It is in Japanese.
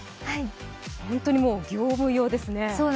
本当に業務用ですね。